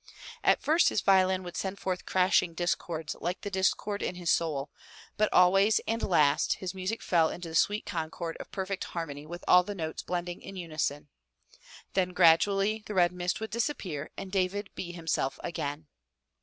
At first his violin would send forth crashing discords like the discord in his soul, but always at last his music fell into the sweet concord of perfect harmony with all the notes blending in unison. Then gradually the red mist would disappear and David be himself again.